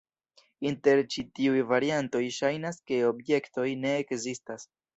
Inter ĉi tiuj variantoj ŝajnas ke objektoj ne ekzistas.